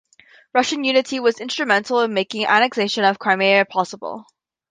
Russian Unity was instrumental in making the annexation of Crimea possible.